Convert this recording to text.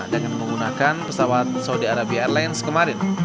dengan menggunakan pesawat saudi arabi airlines kemarin